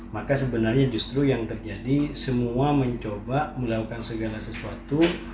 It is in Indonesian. maka sebenarnya justru yang terjadi semua mencoba melakukan segala sesuatu